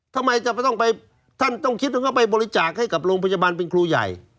ทำไมจะต้องไปท่านต้องคิดถึงเขาไปบริจาคให้กับโรงพยาบาลเป็นครูใหญ่